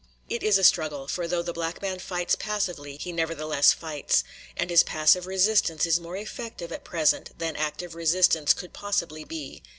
It is a struggle; for though the black man fights passively, he nevertheless fights; and his passive resistance is more effective at present than active resistance could possibly be.